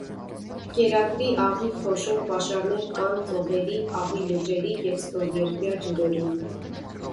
Կերակրի աղի խոշոր պաշարներ կան ծովերի, աղի լճերի և ստորերկրյա ջրերում։